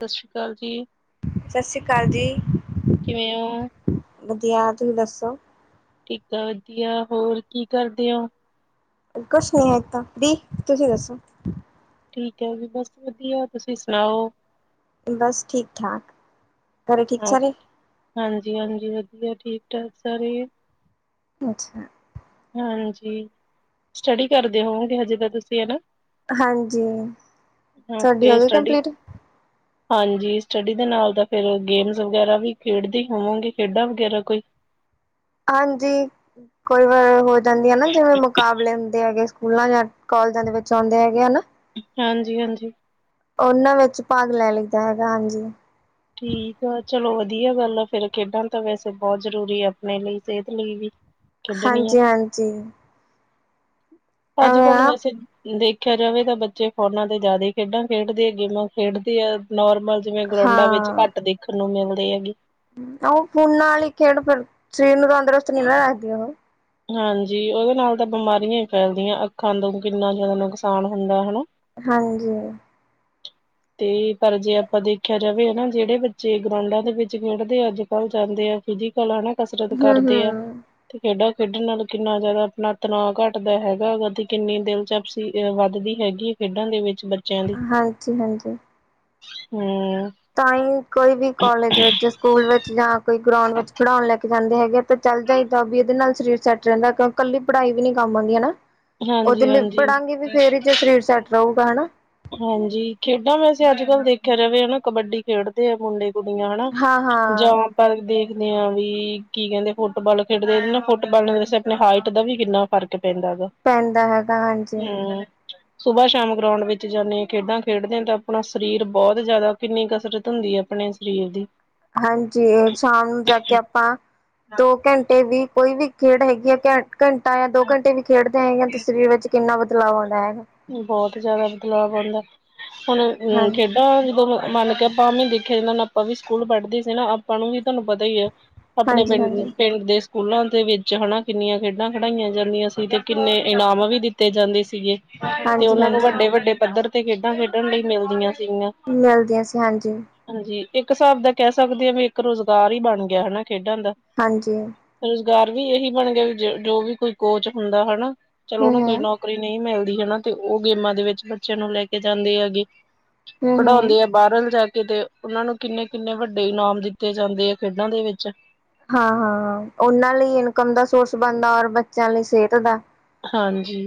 ਸਤਿ ਸ਼੍ਰੀ ਅਕਾਲ ਜੀ। ਸਤਿ ਸ਼੍ਰੀ ਅਕਾਲ ਜੀ ਕਿਵੇਂ ਹੋ? ਵਧੀਆ ਤੁਸੀਂ ਦੱਸੋ। ਠੀਕ ਆ ਵਧੀਆ ਹੋਰ ਕੀ ਕਰਦੇ ਓ। ਕੁਛ ਨੀ ਹੈ ਇਕ ਤਾਂ ਦੀ ਤੁਸੀਂ ਦੱਸੋ। ਠੀਕ ਹੈ ਜੀ ਬਸ ਵਧੀਆ ਤੁਸੀਂ ਸੁਣਾਓ। ਬਸ ਠੀਕ ਠਾਕ ਘਰੇ ਠੀਕ ਸਾਰੇ ਹਾਂਜੀ-ਹਾਂਜੀ ਵਧੀਆ ਠੀਕ ਠਾਕ ਸਾਰੇ ਅੱਛਾ ਹਾਂਜੀ ਸਟੱਡੀ ਕਰਦੇ ਹੋ ਕਿ ਹਜੇ ਤਾਂ ਤੁਸੀਂ ਹਨਾ। ਹਾਂਜੀ ਤੁਹਾਡੀ ਓਕੇ ਹੋ ਗਈ ਸਟੱਡੀ ਕੰਪਲੀਟ ਹਾਂਜੀ ਸਟੱਡੀ ਦੇ ਨਾਲ ਤਾਂ ਫਿਰ ਗੇਮਸ ਵਗੈਰਾ ਵੀ ਖੇਡਦੇ ਹੋਵਾਂਗੇ ਖੇਡਾਂ ਵਗੈਰਾ ਕੋਈ ਹਾਂਜੀ ਕੋਈ ਵਾਰ ਹੋ ਜਾਂਦੀ ਹੈ ਨਾ ਜਿਵੇਂ ਮੁਕਾਬਲੇ ਹੁੰਦੇ ਹੈਗੇ ਸਕੂਲਾਂ ਜਾਂ ਕਾਲਜਾਂ ਦੇ ਵਿੱਚ ਆਉਂਦੇ ਹੈਗੇ ਹਨਾ। ਹਾਂਜੀ-ਹਾਂਜੀ ਉਹਨਾਂ ਵਿੱਚ ਭਾਗ ਲੈ ਲਈਦਾ ਹੈਗਾ ਹਾਂਜੀ। ਠੀਕ ਆ ਚਲੋ ਵਧੀਆ ਗੱਲ ਫਿਰ ਖੇਡਾਂ ਤਾਂ ਵੈਸੇ ਬੋਤ ਜ਼ਰੂਰੀ ਆਪਣੇ ਲਈ ਸਿਹਤ ਲਈ ਵੀ ਹਾਂਜੀ-ਹਾਂਜੀ ਅੱਜ-ਕੱਲ ਆ ਵੈਸੇ ਦੇਖਿਆ ਜਾਵੇ ਤਾਂ ਬੱਚੇ ਫੋਨਾਂ ਤੇ ਜਾਦਾ ਖੇਡਾਂ ਖੇਡਦੇ ਆ ਗੇਮਾਂ ਖੇਡਦੇ ਆ ਨੋਰਮਲ ਜਿਵੇਂ ਗਰਾਊਡਾਂ ਵਿੱਚ ਘੱਟ ਦੇਖਣ ਨੂੰ ਮਿਲਦੇ ਹੈਗੇ। ਆ ਫੋਨ ਨਾਲ ਹੀ ਖੇਡ ਫਿਰ ਸਰੀਰ ਨੂੰ ਤੰਦਰੁਸਤ ਨੀ ਨਾ ਰੱਖਦੀ ਆ ਉਹ ਹਾਂਜੀ ਉਹਦੇ ਨਾਲ ਤਾਂ ਬਿਮਾਰੀਆਂ ਹੀ ਫੈਲਦੀਆਂ ਅੱਖਾਂ ਤੋਂ ਕਿੰਨਾ ਜਾਦਾ ਨੁਕਸਾਨ ਹੁੰਦਾ ਹਨਾ ਹਾਂਜੀ [inaudible] ਤੇ ਪਰ ਜੇ ਆਪਾਂ ਦੇਖਿਆ ਜਾਵੇ ਨਾ ਜੇੜੇ ਬੱਚੇ ਗਰਾਉਂਡਾਂ ਦੇ ਵਿੱਚ ਖੇਡਦੇ ਅੱਜ-ਕੱਲ੍ਹ ਜਾਂਦੇ ਆ ਫਿਜਿ ਕਲਾ ਨਾ ਕਸਰਤ ਹੂੰ ਕਰਦੇ ਆ ਹੂੰ ਤੇ ਖੇਡਾਂ ਖੇਡਣ ਨਾਲ ਕਿੰਨਾ ਜਾਦਾ ਆਪਣਾ ਤਣਾਅ ਘੱਟਦਾ ਹੈਗਾ ਤੇ ਕਿੰਨੀ ਦਿਲਚਪਸੀ ਵੱਧਦੀ ਹੈਗੀ। ਖੇਡਾਂ ਦੇ ਵਿੱਚ ਬੱ ਹਾਂਜੀ-ਹਾਂਜੀ ਹੂੰ ਤਾਂ ਹੀ ਕੋਈ ਵੀ ਕੋਲਜ ਵਿੱਚ ਸਕੂਲ ਵਿੱਚ ਜਾਂ ਕੋਈ ਗਰਾਉਂਡ ਵਿੱਚ ਖਿਡਾਉਣ ਲੈ ਕੇ ਜਾਂਦੇ ਹੈਗੇ। ਤੇ ਚੱਲ ਜਾਈਦਾ ਵੀ ਇਹਦੇ ਨਾਲ ਸਰੀਰ ਸੈੱਟ ਰੈਂਦਾ ਕਿਉ ਕੱਲੀ ਪੜ੍ਹਾਈ ਵੀ ਨੀ ਕੰਮ ਆਉਂਦੀ ਹਨਾ। ਉਹਦੇ ਹਾਂਜੀ ਲਈ ਹਾਂਜੀ ਪੜਾਂਗੇ ਵੀ ਫੇਰ ਹੀ ਜ ਸਰੀਰ ਸੈੱਟ ਰਊਗਾ ਹਨਾ। ਹਾਂਜੀ ਖੇਡਾਂ ਵੈਸੇ ਅੱਜ ਕੱਲ੍ਹ ਦੇਖਿਆ ਜਾਵੇ ਨਾ ਕਬੱਡੀ ਖੇਡਦੇ ਆ ਮੁੰਡੇ ਕੁੜੀਆਂ ਹਨਾ ਹਾਂ ਜਾਂ ਹਾਂ ਪਰ ਦੇਖਦੇ ਹਾਂ ਵੀ ਕੀ ਕੈਂਦੇ ਫੁੱਟਬਾਲ ਖੇਡਦੇ ਨਾ ਫੁੱਟਬਾਲ ਨੇ ਦਸੇ ਆਪਣੇ ਹਾਈਟ ਦਾ ਵੀ ਕਿੰਨਾ ਫਰਕ ਪੈਂਦਾ ਹੈਗਾ। ਪੈਂਦਾ ਹੈ। ਹੂੰ ਸੁਬਹ ਸ਼ਾਮ ਗਰਾਉਂਡ ਵਿੱਚ ਜਾਂਦੇ ਹਾਂ ਖੇਡਾਂ ਖੇਡਦੇ ਹਾਂ ਤਾਂ ਆਪਣਾ ਸਰੀਰ ਬੋਤ ਜਾਦਾ ਕਿੰਨੀ ਕਸਰਤ ਹੁੰਦੀ ਹੈ ਆਪਣੇ ਸਰੀਰ ਦੀ ਹਾਂਜੀ ਸ਼ਾਮ ਨੂੰ ਜਾ ਕੇ ਆਪਾਂ ਦੋ ਘੰਟੇ ਵੀ ਕੋਈ ਵੀ ਖੇਡ ਹੈਗੀ ਆ ਘ ਘੰਟਾ ਜਾਂ ਦੋ ਘੰਟੇ ਵੀ ਖੇਡ ਹੈਗੀਆਂ ਤੇ ਸਰੀਰ ਵਿੱਚ ਕਿੰਨਾ ਬਦਲਾਵ ਆਉਂਦਾ ਹੈਗਾ। ਬਹੁਤ ਜਿਆਦਾ ਬਦਲਾਵ ਆਉਂਦਾ ਹੁਣ ਹਾਂ ਗੇਮ ਖੇ [unintelligible] ਆਪਾਂ ਵੀ ਦੇਖਿਆ ਜ ਆਪਾਂ ਵੀ ਸਕੂਲ ਪੜ੍ਹਦੇ ਸੀ ਨਾ ਆਪਾਂ ਨੂੰ ਵੀ ਤੁਹਾਨੂੰ ਪਤਾ ਹੀ ਆ ਆਪਣੇ ਹਾਂਜੀ ਹਾਂਜੀ ਪਿੰਡ-ਪਿੰਡ ਦੇ ਸਕੂਲਾਂ ਦੇ ਵਿੱਚ ਹਨਾ ਕਿੰਨੀਆਂ ਖੇਡਾਂ ਖਿਡਾਈਆਂ ਜਾਂਦੀਆਂ ਸੀ ਤੇ ਕਿੰਨੇ ਇਨਾਮ ਵੀ ਦਿੱਤੇ ਜਾਂਦੇ ਸੀਗੇ। ਤੇ ਹਾਂਜੀ ਉਹਨਾਂ ਨੂੰ ਹਾਂਜੀ ਵੱਡੇ-ਵੱਡੇ ਪੱਧਰ ਤੇ ਖੇਡਾਂ ਖੇਡਣ ਲਈ ਮਿਲਦੀਆਂ ਸੀਗੀਆਂ। ਮਿਲਦੀਆਂ ਸੀ ਹਾਂਜੀ। ਹਾਂਜੀ ਇੱਕ ਹਿਸਾਬ ਦਾ ਕਹਿ ਸਕਦੇ ਹਾਂ ਵੀ ਇੱਕ ਰੁਜ਼ਗਾਰ ਹੀ ਬਣ ਗਿਆ ਹਨਾ ਖੇਡਾਂ ਦਾ। ਹਾਂਜੀ। ਰੁਜ਼ਗਾਰ ਵੀ ਇਹੀ ਬਣ ਗਿਆ ਵੀ ਜੋ ਵੀ ਕੋਈ ਕੋਚ ਹੁੰਦਾ ਹਨਾ ਚਲੋ ਹੂੰ ਉਹਨੂੰ ਕੋਈ ਨੌਕ ਹੂੰ ਨੌਕਰੀ ਨਹੀਂ ਮਿਲਦੀ ਹਨਾ ਤੇ ਉਹ ਗੇਮਾਂ ਦੇ ਵਿੱਚ ਬੱਚਿਆਂ ਨੂੰ ਲੈ ਕੇ ਜਾਂਦੇ ਆ ਅਗੇ ਹੂੰ ਹੂੰ ਪੜ੍ਹਾਉਂਦੇ ਆ ਬਾਹਰਲ ਜਾ ਕੇ ਤੇ ਉਹਨਾਂ ਨੂੰ ਕਿੰਨੇ- ਕਿੰਨੇ ਵੱਡੇ ਇਨਾਮ ਦਿੱਤੇ ਜਾਂਦੇ ਆ ਖੇਡਾਂ ਦੇ ਵਿੱਚ ਹਾਂ-ਹਾਂ-ਹਾ ਉਹਨਾਂ ਲਈ ਇਨਕਮ ਦਾ ਸੋਰਸ ਬਣਦਾ ਔਰ ਬੱਚਿਆਂ ਲਈ ਸਿਹਤ ਦਾ। ਹਾਂਜੀ।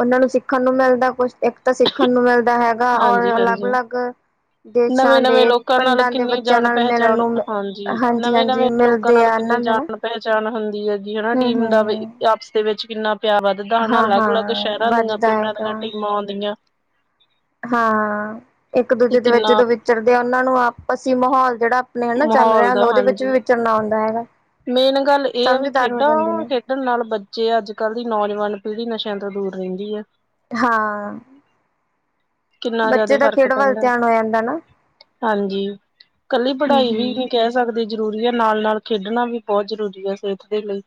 ਉਹਨਾਂ ਨੂੰ ਸਿੱਖਣ ਨੂੰ ਮਿਲਦਾ ਕੁਛ ਇੱਕ ਤਾਂ ਸਿੱਖਣ ਨੂੰ ਮਿਲਦਾ ਹੈਗਾ ਔਰ ਅਲੱਗ-ਅਲੱਗ ਦੇਸ਼ਾਂ ਨਵੇਂ-ਨਵੇਂ ਦੇ ਲੋਕਾਂ ਨਾਲ ਪਿੰਡਾਂ ਦੇ ਕਿੰਨੀ ਬੱਚਿਆਂ ਨਾਲ ਮਿਲਣ ਜਾਣ-ਪਹਿਚਾਣ ਨੂੰ ਹਾਂਜੀ। ਹਾਂਜੀ-ਹਾਂਜੀ ਨਵੇਂ-ਨਵੇਂ ਲੋਕਾਂ ਮਿਲਦੇ ਨਾਲ ਆ ਕਿੰਨੀ ਇਹਨਾਂ ਦੇ ਨਾ ਜਾਣ ਪਹਿਚਾਣ ਹੁੰਦੀ ਹੈਗੀ ਹਨਾ ਟੀਮ ਦਾ ਹੂੰ-ਹੂੰ ਆਪਸ ਦੇ ਵਿੱਚ ਕਿੰਨਾ ਪਿਆਰ ਜਿੱਦਾਂ ਦਾ ਹਾਂ-ਹਾਂ ਅਲੱਗ-ਅਲੱਗ ਸ਼ਹਿਰਾਂ ਦੀਆਂ, ਵੱਧਦਾ ਪਿੰਡਾਂ ਹੈਗਾ ਦੀਆਂ ਟੀਮਾਂ ਆਉਂਦੀਆਂ। ਹਾਂ, ਇੱਕ ਤੇ ਦੂਜੇ ਦੇ ਵਿੱਚ ਕਿੰਨਾ ਜਦੋਂ ਵਿਚਰਦੇ ਆ ਉਹਨਾਂ ਨੂੰ ਆਪਸੀ ਮਾਹੌਲ ਜਿਹੜਾ ਆਪਣੇ ਹਨ ਨਾ ਚੱਲ ਮਾਹੌਲ ਰਿਹਾ ਹੁੰਦਾ ਦਾ ਉਹਦੇ ਵਿੱਚ ਵੀ ਹਾਂਜੀ ਵਿਚਰਨਾ ਆਉਂਦਾ ਹੈਗਾ। ਮੇਨ ਗੱਲ ਇਹ ਆ ਵੀ ਸਮਝਦਾਰ ਹੋ ਖੇਡਾਂ ਜਾਂਦੇ ਨੇ ਖੇਢਣ ਨਾਲ ਬੱਚੇ ਅੱਜ-ਕੱਲ੍ਹ ਦੀ ਨੌਜਵਾਨ ਪੀੜ੍ਹੀ ਨਸ਼ਿਆਂ ਤੋਂ ਦੂਰ ਰਹਿੰਦੀ ਹੈ। ਹਾਂ। ਕਿੰਨਾ ਬੱਚੇ ਜਿਆਦਾ ਦਾ ਫ਼ਰਕ ਖੇਡ ਵੱਲ ਪੈਂਦਾ। ਧਿਆਨ ਹੋ ਜਾਂਦਾ ਨਾ। ਹਾਂਜੀ, ਕੱਲੀ ਪੜ੍ਹਾਈ ਵੀ ਨੀ ਹੂੰ-ਹੂੰ, ਕਹਿ ਸਕਦੇ ਜ਼ਰੂਰੀ ਹੈ ਨਾਲ-ਨਾਲ ਖੇਡਣਾ ਵੀ ਬਹੁਤ ਜ਼ਰੂਰੀ ਹੈ ਸਿਹਤ ਦੇ ਲਈ,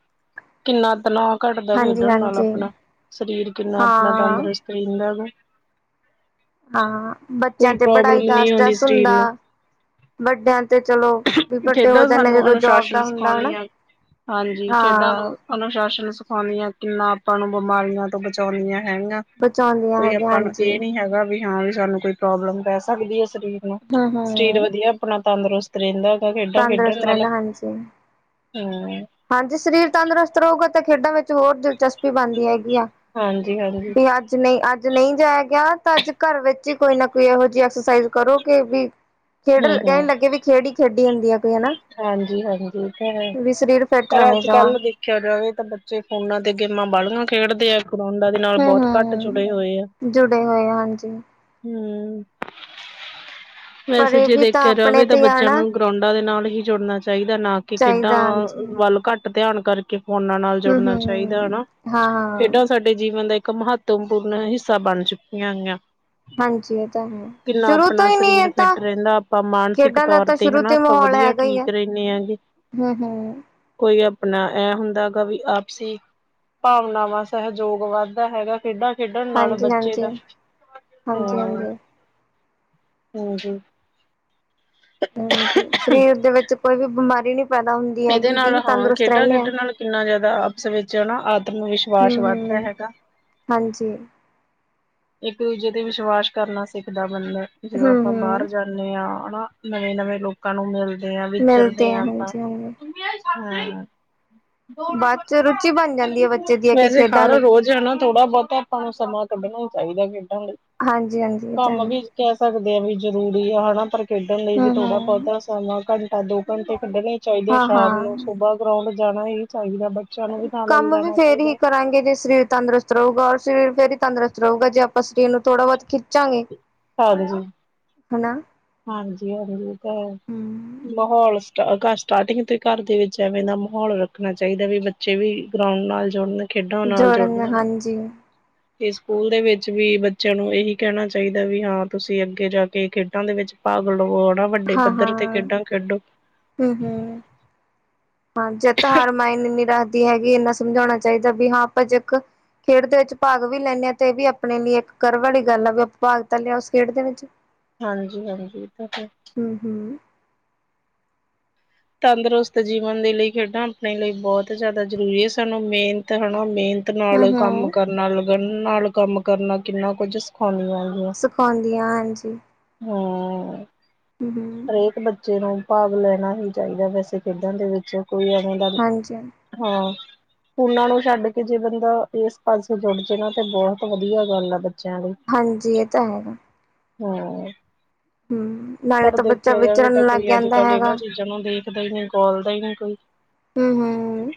ਕਿੰਨਾ ਤਨਾ ਘੱਟਦਾ ਖੇਡਣ ਨਾਲ ਹਾਂਜੀ-ਹਾਂਜੀ, ਆਪਣਾ, ਸਰੀਰ ਕਿੰਨਾ ਆਪਣਾ ਹਾਂ। ਤੰਦਰੁਸਤ ਰਹਿੰਦਾ ਵਾ ਹਾਂ, ਬੱਚਿਆਂ ਕੋਈ ਤੇ ਪੜ੍ਹਾਈ ਪ੍ਰੋਬਲਮ ਦਾ ਨਹੀਂ ਆਉਂਦੀ ਸਟਰ੍ਰੈਸ ਸਰੀਰ ਹੁੰਦਾ ਨੂੰ ਵੱਡਿਆਂ ਤੇ ਚਲੋ ਵੀ ਵੱਡੇ ਹੋ ਜਾਂਦੇ ਜਦੋਂ ਜੋਬ ਦਾ ਹੁੰਦਾ ਹਨਾ। ਉਂਦੀਆਂ, ਹਾਂਜੀ ਖੇਡਾਂ ਨੁ ਹਾਂ, ਅਨੁਸ਼ਾਸਨ ਸਿਖਾਉਂਦੀਆਂ, ਕਿੰਨਾ ਆਪਾਂ ਨੂੰ ਬਿਮਾਰੀਆਂ ਤੋਂ ਬਚਾਉਂਦੀਆਂ ਹੈਗੀਆਂ ਬਚਾਉਂਦੀਆਂ ਕੋਈ ਹੈਗੀਆਂ ਆਪਾਂ ਨੂੰ ਹਾਂਜੀ, ਇਹ ਨੀ ਹੈਗਾ ਵੀ ਜਾਂ ਵੀ ਸਾਨੂੰ ਕੋਈ ਪ੍ਰੋਬਲਮ ਪੈ ਸਕਦੀ ਹੈ ਸਰੀਰ ਨੂੰ। ਸਰੀਰ ਹੂੰ-ਹੂੰ, ਵਧੀਆ ਆਪਣਾ ਤੰਦਰੁਸਤ ਰਹਿੰਦਾ। ਖੇਡਾਂ ਖੇਡਣ ਤੰਦਰੁਸਤ ਨਾਲ। ਰਹਿੰਦਾ ਹਾਂਜੀ। ਹਸ ਹਾਂਜੀ ਸਰੀਰ ਤੰਦਰੁਸਤ ਰਹੇਗਾ ਤੇ ਖੇਡਾਂ ਵਿੱਚ ਹੋਰ ਦਿਲਚਸਪੀ ਬਣਦੀ ਹੈਗੀ ਆ। ਹਾਂਜੀ-ਹਾਂਜੀ। ਵੀ ਅੱਜ ਨਹੀਂ ਅੱਜ ਨਹੀਂ ਜਾਇਆ ਗਿਆ ਤਾਂ ਅੱਜ ਘਰ ਵਿੱਚ ਹੀ ਕੋਈ ਨਾ ਕੋਈ ਇਹੋ ਜਿਹੀ ਐਕਸਰਸਾਈਜ਼ ਕਰੋਗੇ ਵੀ [inaudible] ਖੇਡ ਕਹਿਣ ਲੱਗੇ ਵੀ ਖੇਡ ਹੀ ਖੇਡੀ ਹੁੰਦੀ ਹੈ ਕੋਈ ਹਨਾ ਹਾਂਜੀ-ਹਾਂਜੀ ਔ ਤਾਂ ਹੈ। ਵੀ ਸਰੀਰ ਫਿੱਟ ਪਰ ਰਵੇ ਅੱਜ ਜਮਾਂ ਕੱਲ ਦੇਖਿਆ ਜਾਵੇ ਤਾਂ ਬੱਚੇ ਫੋਨਾਂ ਤੇ ਗੇਮਾਂ ਬਾੜੀਆਂ ਖੇਡਦੇ ਆ ਗਰਾਊਂਡਾ ਦੇ ਨਾਲ ਬਹੁਤ ਘੱਟ ਹੂੰ-ਹੂੰ। ਜੁੜੇ ਹੋਏ ਆ। ਜੁੜੇ ਹੋਏ ਹਾਂਜੀ ਹਮ। ਪਰ ਵੈਸੇ ਇਹ ਜੇ ਵੀ ਤਾਂ ਦੇਖਿਆ ਆਪਣੇ ਜਾਵੇ ਤਾਂ ਤੇ ਬੱਚਿਆਂ ਆਣਾ ਨੂੰ ਗਰਾਊਂਡਾਂ ਦੇ ਨਾਲ ਹੀ ਜੁੜਨਾ ਚਾਹੀਦਾ, ਨਾ ਕਿ ਖੇਡਾਂ ਚਾਹੀਦਾ ਹਾਂਜੀ ਵੱਲ ਘੱਟ ਧਿਆਨ ਕਰਕੇ ਫੋਨਾਂ ਨਾਲ ਹੂੰ ਜੁੜਨਾ ਚਾਈਦੈ ਹੂੰ ਨਾ, ਹਾਂ ਹਾਂ ਖੇਡਾਂ ਸਾਡੇ ਸਾਡੇ ਜੀਵਨ ਦਾ ਇੱਕ ਮਹੱਤਵਪੂਰਨ ਹਿੱਸਾ ਬਾਨ ਚੁੱਕੀਆਂ ਹੋਈਆਂ। ਹਾਂਜੀ ਇਹ ਤਾਂ ਹੈ ਕਿੰਨਾ ਸ਼ੁਰੂ ਆਪਣਾ ਤੋਂ ਹੀ ਨਹੀਂ ਸਰੀਰ ਇਹ ਤਾਂ ਫਿੱਟ ਰੈਂਦਾ, ਆਪਾਂ ਮਾਨਸਿਕ ਖੇਡਾਂ ਦਾ ਤੌਰ ਤਾਂ ਤੇ ਸ਼ੁਰੂ ਹਨਾ ਤੋਂ ਅਪਾਂ ਮਾਹੌਲ ਵਦੀਆ ਹੈਗਾ ਹੀ ਆ ਠੀਕ ਰੈਨੇ ਆ ਜੀ। ਹੂੰ ਹੂੰ ਕੋਈ ਆਪਨਾ ਐ ਹੁੰਦੈ ਐਗਾ ਵੀ ਆਪਸੀ ਭਾਵਨਾਵਾਂ ਸੈਹਜੋਗ ਵੱਧਦਾ ਹੈਗਾ ਖੇਡਾਂ ਖੇਡੱਨ ਨਾਲ ਹਾਂਜੀ ਬੱਚੇ ਹਾਂਜੀ ਦਾ, ਹਾਂਜੀ ਹੂੰ, ਹਾਂਜੀ ਹਾਜੀ। ਹਾਂਜੀ, ਸਰੀਰ ਦੇ ਵਿੱਚ ਕੋਈ ਵੀ ਬਿਮਾਰੀ ਨੀ ਪੈਦਾ ਹੁੰਦ ਏਦੇ ਨਾਲ ਹਾਂ, ਖੇਡਾਂ ਖੇਡਨ ਨਾਲ ਕਿੰਨਾ ਜਾਦਾ ਆਪਸ ਵਿੱਚ ਨਾ ਆਤਮ ਹੂੰ ਵਿਸ਼ਵਾਸ ਵੱਦਦਾ ਹੂੰ ਹੈਗਾ। ਹਾਂਜੀ। ਇੱਕ ਦੂਜੇ ਤੇ ਵਿਸ਼ਵਾਸ ਕਰਨਾ ਸਿੱਖਦਾ ਬੰਦਾ, ਜਦੋਂ ਹੂੰ ਆਪਾਂ ਬਾਰ ਹੂੰ ਜਾ ਨੇ ਆਂ, ਹਣਾ, ਨਵੇਂ-ਨਵੇਂ ਲੋਕਾਂ ਨੂੰ ਮਿਲਦੇ ਆਂ, ਵਿਚਰਦੇ ਮਿਲਦੇ ਆਂ ਆ ਆਪਾਂ ਹਾਂਜੀ ਹਾਂਜੀ [unintelligible] ਹਾਂ। ਬਾਦ ਚੋ ਰੁਚੀ ਬਾੱਨ ਜਾਂਦੀ ਏ ਬੱਚੇ ਦੀ ਐ ਤੇ ਖੇਡਾਂ ਲਈ। ਜਨਾ ਥੋੜਾ ਬੋਤਾ ਆਪਾਂ ਨੂੰ, ਸਮਾਂ ਕੱਡਨਾ ਈ ਚਾਈਦੈ ਖੇਡਨ ਲਈ। ਹਾਂਜੀ-ਹਾਂਜੀ ਏ ਤਾਂ ਹੈਂ। ਕੈਅ ਸਕਦੇ ਆ ਵੀ ਜਰੂਰੀ ਆ, ਹਣਾ, ਪਰ ਖੇਡਨ ਲਈ ਵੀ ਹੂੰ ਥੋੜਾ ਹੂੰ ਬੋਤਾ ਹਨਾ, ਘੰਟਾ ਦੋ ਘੰਟੇ ਕੱਡਨੇ ਚਾਈਦੇ ਐ ਸ਼ਾਮ ਹਾਂ-ਹਾਂ। ਨੂੰ, ਸੁਬਾ ਗਰਾਉਂਡ ਜਾਨਾ ਹੀ ਚਾਹੀਦੈ ਬੱਚ ਕਾੰਮ ਵੀ ਫੇਰ ਹੀ ਕਰਾਂਗੇ ਜੇ ਸਰੀਰ ਤੰਦਰੁਸਤ ਰਉਗਾ ਔਰ ਸਰੀਰ ਫੇਰ ਈ ਤੰਦਰੂਸਤ ਰਉਗਾ, ਜੇ ਅਪਾਂ ਸਰੀਰ ਨੂੰ ਥੋੜਾ ਬੋਤ ਖਿੱਚਾਂਗੇ। ਹਾਂਜੀ, ਹਨਾ। ਹੂੰ। ਹਾਂਜੀ, ਹਾਂਜੀ ਏ ਤਾਂ ਹੈ। ਮਹੌਲ ਸਟਾ ਕਾ ਸਟਾਰਟਿੰਗ ਤੋਂ ਈ ਘਾਰ ਦੇ ਵਿੱਚ ਐਵੇਂ ਦਾ ਮਹੌਲ ਰੱਖਨਾ ਚਾਈਦੈ ਵੀ ਬੱ ਬੱਚੇ ਵੀ ਗਰਾਊਂਡ ਨਾਲ ਜੁੜਨ, ਖੇਡਾਂ ਨਾਲ ਜੁੜਨ, ਜੋੜਨ ਹਨਾ ਹਾਂਜੀ ਤੇ ਸੂਕੂਲ ਦੇ ਵੇੱਚ ਵੀ ਬੱਚੇ ਨੂੰ ਏਹੀ ਕੈਣਾ ਚਾਈਦਾ ਏ ਵੀ ਹਾਂ ਤੂਸੀ ਅੱਗੇ ਜਾ ਕੇ ਖੇਡਾਂ ਦੇ ਵਿੱਚ ਭਾਗ ਲਵੋ ਹਣਾ, ਵੱਡ ਵੱਡੇ ਹਾਂ-ਹਾਂ ਪੱਧਰ ਤੇ ਖੇਡਾਂ ਖੇਡੋ। ਹੂੰ-ਹੂੰ। ਹਾਂ, ਜਿੱਤ-ਹਾਰ ਮਾਈਨੇ ਨੀ ਰੱਖਦੀ ਹੈਗੀ, ਏੱਨਾ ਸਮਝੌਣਾ ਚਾਈਦੈ ਵੀ ਹਾਂ ਆਪਾਂ ਜੇਕ ਖੇਡ ਦੇ ਵਿੱਚ ਭਾਗ ਵੀ ਲੈਂਨੇ ਆ, ਤੇ ਵੀ ਅਪਨੇ ਲਈ ਏੱਕ ਕਰਵ ਵਾਲੀ ਗਾੱਲ ਐ, ਵੀ ਆਪਾਂ ਭਾਗ ਤਾਂ ਲੇਆ ਉਸ ਖੇਡ ਦੇ ਵਿੱਚ ਚ। ਹਾਂਜੀ-ਹਾਂਜੀ, ਏ ਤਾ ਹੈ। ਹੂੰ, ਹੂੰ। ਤੰਦਰੁਸਤ ਜੀਵਨ ਦੇ ਲਈ ਖੇਡਾਂ ਆਪਣੇ ਲਈ ਬੋਤ ਜਾਦਾ ਜਰੂਰੀ ਐ, ਸਾਨੂੰ ਮ੍ਹੇਨਤ ਹਣਾ ਮ੍ਹੇਨ ਨਤ ਨਾਲ ਕਾੰਮ ਹੂੰ-ਹੂੰ ਕਰਨਾ, ਲਗਨ ਨਾਲ ਕਾੰਮ ਕਰਨਾ, ਕਿੰਨਾ ਕੁੱਝ ਸਿਖਾਉਂਦੀਆਂ ਸਿਖੋਂਦੀਆਂ, ਹਾਂਜੀ। ਹੂੰ। ਹੂੰ, ਹੂੰ। ਏਕ ਬੱਚੇ ਨੂੰ ਭਾਗ ਲੈਨਾ ਹੀ ਚਾਈਦੈ ਵੈਸੇ ਖੇਡਾਂ ਦੇ ਵਿੱਚ, ਕੋਈ ਐਵੇਂ ਦਾ ਹਾਂਜੀ-ਹਾਂਜੀ ਹਾਂ। ਫੂਨਾ ਨੂੰ ਛਾੱਡ ਕੇ ਜੇ ਬੰਦਾ ਏਸ ਪਾਸੇ ਜੁੜ ਜੇ ਨਾ, ਤੇ ਬੋਹਤ ਵਦੀਆ ਗਾੱਲ ਐ ਬੱਚੇਆਂ ਲਈ। ਹਾਂਜੀ, ਏ ਤਾਂ ਹੈਗਾ। ਹੂੰ। ਹੂੰ, ਨਾਲੇ ਪਰ ਤਾਂ ਬੱਚਾ ਦੇਖੇਆ ਜਾਵੇ ਤਾਂ ਵਿਚਰਨ ਲੱਗ ਕੋਈ ਜਾਂਦਾ ਅੱਜ-ਕੱਲ ਹੈਗਾ। ਏਨਾਂ ਚੀਜ਼ਾਂ ਨੂੰ ਦੇਖਦਾ ਈ ਨੀ ਕੋਲਦਾ ਈ ਨੀ ਕੋਈ। ਹੂੰ, ਹੂੰ।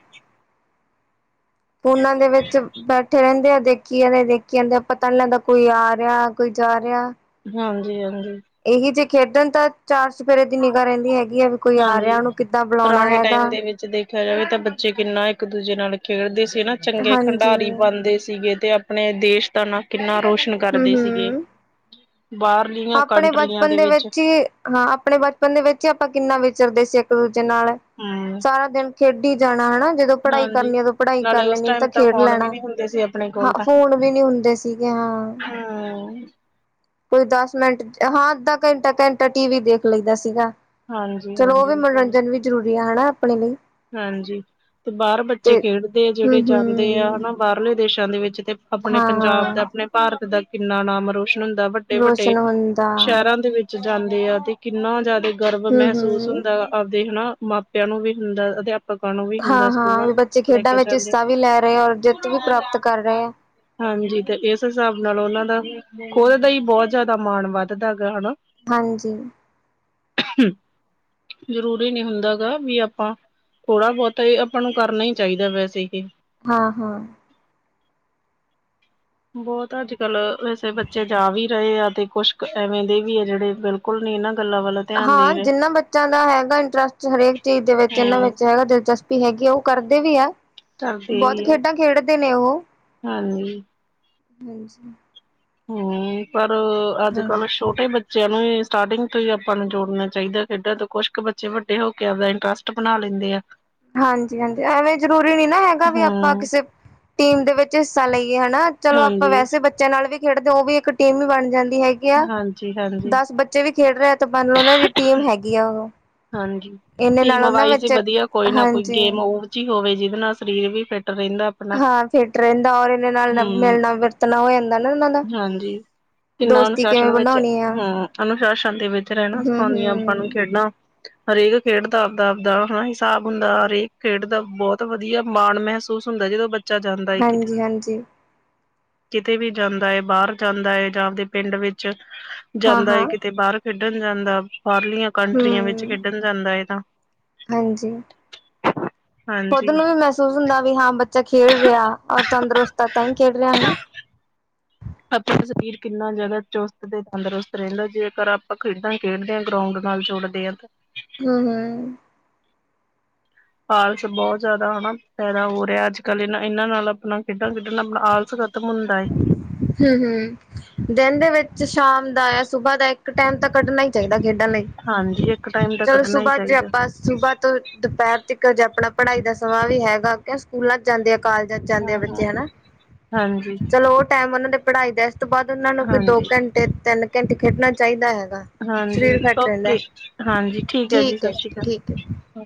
ਫੋਨਾ ਦੇ ਵਿੱਚ ਬੈਠੇ ਰੈਂਦੇ ਆ, ਦੇਖੀ ਆਦੇ ਆ, ਦੇਖੀ ਆਂਦੇ ਆ, ਪਤਾ ਨੀ ਲੱਗਦਾ, ਕੋਈ ਆ ਰੇਆ, ਕੋਈ ਜਾ ਰੇਆ। ਹਾਂਜੀ-ਹਾਂਜੀ। ਇਹੀ ਜੇ ਖੇਡਣ ਤਾਂ ਚਾਰ ਚਫੇਰੇ ਦੀ ਨਿਗਾ ਰੈਂਦੀ ਹੈਗੀ ਆ ਵ ਕੋਈ ਆ ਰਿਆ ਹਾਂਜੀ ਉਨੂੰ ਕਿੱਦਾਂ ਬੁਲਾਉਣਾ ਹੈਗਾ। ਰੱਖਿਆਂ ਜਾਵੇ ਤਾਂ ਬੱਚੇ ਕਿੰਨਾ ਇੱਕ ਦੂਜੇ ਨਾਲ ਖੇਡਦੇ ਸੀ ਨਾ, ਚੰਗੇ ਹਾਂਜੀ, ਖੰਡਾਰੀ ਬਣਦੇ ਸੀਗੇ ਤੇ ਅ ਪਣੇ ਦੇਸ਼ ਦਾ ਨਾਂ ਕਿੰਨਾ ਰੋਸ਼ਨ ਕਰਦੇ ਸੀਗੇ, ਹੂੰ-ਹੂੰ। ਬਾਅਰ ਆਪਣੇ ਬਚਪਨ ਦੇ ਵਿੱਚ ਈ ਹਾਂ ਆਪਣੇ ਬਚਪਨ ਦੇ ਵਿੱਚ ਈ ਆਪਾਂ ਕਿੰਨਾ ਵਿਚਰਦੇ ਸੀ ਇੱਕ ਦੂਜੇ ਨਾਲ। ਹੂੰ। ਸਾਰਾ ਦਿਨ ਖੇਡੀ ਜਾਣਾ ਹਨਾ, ਜਦੋਂ ਪੜ੍ਹਾਈ ਹਾਂਜੀ। ਕਰਨੀ ਉਦੋਂ ਪੜ੍ਹਾਈ ਕਰ ਨਾਲੇ ਉਸ ਲੈਣੀ ਟਾਈਮ ਤਾਂ ਖੇਡ ਫੋਨ ਵੀ ਲੈਣਾ। ਨੀ ਹੁੰਦੇ ਸੀ ਆਪਣੇ। ਹਾਂ ਕੋਲ ਤਾਂ ਫੋਨ ਵੀ ਨੀ ਹੁੰਦੇ ਸੀਗੇ ਹਾਂ। ਹਮ ਕੋਈ ਦਸ ਮਿੰਟ ਹਾਂ, ਅੱਧਾ ਘੰਟਾ, ਘੰਟਾ ਟੀ ਵੀ ਦੇਖ ਲਈ ਦਾ ਸੀਗਾ। ਹਾਂਜੀ, ਚਲੋ ਉਹ ਹਾਂਜੀ ਵੀ ਓ ਭੈਣੇ। ਮਨੋਰੰਜਨ ਵੀ ਜ਼ਰੂਰੀ ਆ ਹਣਾ ਆਪਣੇ ਲਈ। ਹਾਂਜੀ ਤੇ ਬਾਅਰ ਬੱਚੇ ਤੇ ਖੇਡਦੇ ਆ, ਹੂੰ ਜਿੜੇ ਜਾਂਦੇ ਆ ਹੂੰ ਹਨਾ ਬਾਹਰਲੇ ਦੇਸਾਂ ਦੇ ਵਿੱਚ ਤੇ ਆਪਣੇ ਹਾਂ ਪੰਜਾਬ ਹਾਂ ਦਾ, ਆਪਣੇ ਭਾਰਤ ਦਾ ਕਿੰਨਾ ਨਾਮ ਰੋ ਕੁੱਛ ਨੀ ਹੁੰਦਾ ਵੱਡੇ ਵੱਡੇ ਰੋਸ਼ਨ ਹੁੰਦਾ ਸ਼ਹਿਰਾਂ ਦੇ ਵਿੱ ਚ ਜਾਂਦੇ ਆ ਤੇ ਕਿੰਨਾ ਜ਼ਿਆਦਾ ਗਰਵ ਹੂੰ ਮਹਿਸੂਸ ਹੂੰ ਹੁੰਦਾ, ਆਪਦੇ ਹਨਾ ਮਾਪਿਆਂ ਨੂੰ ਵੀ ਹੁੰਦਾ। ਤੇ ਅਪ ਹਾਂ, ਹਾਂ ਬੱਚੇ ਖੇਡਾਂ ਵਿੱਚ ਜਾਂਦੇ ਆ। ਹਿੱਸਾ ਵੀ ਲੈ ਰਏ ਆ, ਔਰ ਜਿੱਤ ਵੀ ਪ੍ਰਾਪਤ ਕਰ ਰਏ ਆ। ਹਾਂਜੀ ਤੇ ਇਸ ਹਿਸਾਬ ਨਾਲ ਉਨਾਂ ਦਾ ਖੋਲ ਦਾ ਈ ਬਓਤ ਜ਼ਿਆਦਾ ਮਾਣ ਵੱਧਦਾ ਗਾ ਹਨਾ। ਹਾਂਜੀ। ਜ਼ਰੂਰੀ ਨੀ ਹੁੰਦਾ ਗਾ ਵੀ ਆਪਾਂ ਥੋੜ੍ਹਾ ਬਉਤਾ ਇ ਆਪਾਂ ਨੂੰ ਕਰਨਾ ਈ ਚਾਈਦਾ ਵੈਸੇ ਹੀ। ਹਾਂ ਹਾਂ। ਬੌਤ ਅੱਜ ਕੱਲ ਵੈਸੇ ਬੱਚੇ ਜਾ ਵੀ ਰਏ ਆ ਤੇ ਕੁਛ ਐਵੇਂ ਦੇ ਵੀ ਆ ਜਿੜੇ ਬਿਲ ਕੁਲ ਨੀ ਇਨਾਂ ਗੱਲਾਂ ਵਲ ਹਾਂ, ਜਿੰਨਾਂ ਬੱਚਿਆਂ ਦਾ ਹੈਗਾ ਇੰਟਰਸਟ ਹਰੇਕ ਚੀਜ਼ ਦੇ ਵਿੱਚ ਇਨਾਂ ਹਾਂ ਵਿੱਚ ਹੈਗਾ ਦਿਲਚਸ ਪੀ ਹੈਗੀ ਆ, ਓ ਕਰਦੇ ਵੀ ਐ। ਕਰਦੇ ਬੌਤ ਵੀ ਆ ਖੇਡਾਂ ਖੇਡਦੇ ਨੇ ਉਹ, ਹਾਂਜੀ ਹਾਂਜੀ। ਹੂੰ, ਪਰ ਅੱਜ ਹਾਂ ਕੱਲ੍ਹ ਸ਼ੋਟੇ ਬੱ ਚਿਆਂ ਨੂੰ ਸਟਾਰਟਿੰਗ ਤੋਂ ਈ ਆਪਾਂ ਨੂੰ ਜੋੜਨਾ ਚਾਈਦਾ ਐ, ਖੇਡਾਂ ਤੋਂ ਕੁਛ ਕੁ ਬੱਚੇ ਵੱਡੇ ਹੋ ਕੇ ਆਪਦਾ ਇੰਟਰਸਟ ਬਣਾ ਲੈਂਦੇ ਆ। ਹਾਂਜੀ ਹਾਂਜੀ, ਐਵੇਂ ਜ਼ਰੂਰੀ ਨੀ ਨਾ ਹੈਗਾ ਵੀ ਆਪਾਂ ਹੂੰ ਕਿਸੇ ਟੀਮ ਦੇ ਵਿੱਚ ਹਿੱਸਾ ਲਈਏ ਹਨਾ ਚਲੋ, ਆਪਾਂ ਹਾਂਜੀ ਵੈਸੇ ਬੱਚਿਆਂ ਨਾਲ ਵੀ ਖੇਡਦੇ ਓ ਵੀ ਇੱਕ ਟੀਮ ਈ ਬਣ ਜਾਂਦੀ ਹੈਗੀ ਆ ਹਾਂਜੀ ਹਾਂਜੀ ਦਸ ਬੱਚੇ ਵੀ ਖੇਡ ਰਏ ਤੇ ਮੰਨ ਲਓ ਉਨਾਂ ਦੀ ਟੀਮ ਹੈਗੀ ਆ। ਹਾਂਜੀ, ਇਹਨੇ ਨਾਲ ਟੀਮ ਉਹਨਾਂ ਵਾਈਜ਼ ਈ ਵਿੱਚ ਵਧੀਆ। ਕੋਈ ਨਾ ਕੋਈ ਹਾਂਜੀ ਗੇਮ ਓਹੋ ਜੀ ਹੋਵੇ ਜਿਦੇ ਨਾਲ ਸਰੀਰ ਵੀ ਫਿੱਟ ਰੈਂਦਾ। ਹਾਂ ਫਿੱਟ ਰੈਂਦਾ ਔਰ ਇਦੇ ਨਾਲ ਮਿਲਣਾ ਵਰਤਣਾ ਹੋ ਜਾਂਦਾ ਨਾ ਇਨਾਂ ਦਾ। ਹਾਂਜੀ। ਕਿੰਨਾ ਦੋਸਤੀ ਅਨੁਸ਼ਾਸਨ ਕਿਵੇਂ ਵਿੱਚ ਬਣਾਉਣੀ ਆ ਹੂੰ, ਅਨੁਸ਼ਾਸਨ ਦੇ ਵਿੱਚ ਰੈਣਾ ਸਿਖਾਉਂਦੀਆਂ ਆਪਾਂ ਨੂੰ ਹੂੰ-ਹੂੰ ਖੇਡਾਂ। ਹਰੇਕ ਖੇਡ ਦਾ ਆਪਦਾ-ਆਪਦਾ ਹਿਸਾਬ ਹੁੰਦਾ, ਹਰੇਕ ਖੇਡ ਦਾ ਬਹੁਤ ਵਧੀਆ ਮਾਣ ਮਹਿਸੂਸ ਹੁੰਦਾ ਜਦੋਂ ਬੱਚਾ ਜਾਂਦਾ ਏ ਕਿਤੇ। ਹਾਂਜੀ-ਹਾਂਜੀ ਕਿਤੇ ਵੀ ਜਾਂਦਾ ਏ ਬਾਅਰ ਜਾਂਦਾ ਏ ਜਾਂ ਆਪਦੇ ਪਿੰਡ ਵਿੱਚ ਜਾਂਦਾ ਏ ਜਾ ਹਾਂ-ਹਾਂ ਕਿਤੇ ਬਾਅਰ ਖੇਡਣ ਜਾਂਦਾ, ਬਾਰਲੀਆਂ ਹੂੰ ਕੰਟਰੀਆਂ ਵਿੱਚ ਖੇਡਣ ਜਾਂਦਾ ਏ ਤਾਂ। ਹਾਂਜੀ। ਖੁਦ ਹਾਂਜੀ ਨੂੰ ਵੀ ਮਹਿਸੂਸ ਹੁੰਦਾ ਵੀ ਹਾਂ ਬੱਚਾ ਖੇਡ ਰਿਆ ਔਰ ਤੰਦਰੁਸਤ ਐ ਤਾਂ ਈ ਖੇਡ ਰਿਆ ਹਨਾ? ਆਪਣਾ ਸਰੀਰ ਕਿੰਨਾ ਜਾਦਾ ਚੁਸਤ ਤੇ ਤੰਦਰੁਸਤ ਰਹਿੰਦਾ ਜੇਕਰ ਆਪਾਂ ਖੇਡਾਂ ਖੇਡਦੇ ਆਂ। ਗਰਊਂਡ ਨਾਲ ਜੁੜਦੇ ਆ ਤ। ਹੂੰ-ਹੂੰ। ਆਲਸ ਬਹੁਤ ਜਾਦਾ ਹਨਾ? ਪੈਦਾ ਹੋ ਰੇਐ ਅੱਜ-ਕੱਲ੍ਹ, ਏਨਾਂ- ਏਨਾਂ ਨਾਲ ਆਪਣਾ ਖੇਡਾਂ ਖੇਡਣ ਨਾਲ ਆਪ ਆਲਸ ਖਤ ਤਮ ਹੁੰਦੈ ਏ। ਹੂੰ- ਹੂੰ। ਦਿਨ ਦੇ ਵਿੱਚ ਸ਼ਾਮ ਦਾ ਯ ਸੁਬਾਹ ਦਾ ਇੱਕ ਟੈਮ ਤਾਂ ਕੱਢਣਾ ਈ ਚਾਹੀਦੈ ਖੇਡਾਂ ਲਈ। ਹਾਂਜੀ। ਇੱਕ ਟਾਈਮ ਦਾ ਚਲੋ ਕੱਢਣਾ ਈ ਸੁਬਾਹ ਚ ਚਾਹੀਦੈ। ਆਪਾਂ ਸੁਬਾਹ ਤੋਂ ਦੁਪਹਰ ਤੀਕਰ ਜੇ ਆਪਣਾ ਪੜ੍ਹਾਈ ਦਾ ਸਵਾਲ ਹੀ ਹੈਗਾ ਕਿਸ [unintelligible] ਸਕੂਲਾਂ ਚ ਜਾਂਦੇ ਆ, ਕਾਲਜਾਂ ਚ ਜਾਂਦੇ ਆ ਹਾਂ ਹਾਂ ਬੱਚੇ ਹਨਾ? ਹਾਂਜੀ। ਚਲੋ ਉਹ ਟੈਮ ਉਹਨਾਂ ਦੇ ਪੜ੍ਹਾਈ ਦੈ, ਇਸ ਤੋਂ ਬਾਦ ਉਹਨਾਂ ਨੂੰ ਕੋਈ ਦੋ ਹਾਂਜੀ ਘੰਟੇ-ਤਿੰਨ ਘੰਟੇ ਖੇਡਣਾ ਚਾਹੀਦਾ ਹੈਗਾ। ਸਰੀਰ ਹਾਂਜੀ ਫਿੱਟ ਓਕੇ ਰਹਿੰਦਾ ਹਾਂਜੀ ਠੀਕ ਏ ਜੀ, ਹੈ ਸਸ ਰੀ ਠੀਕ ਹੈ। ਕਾਲ।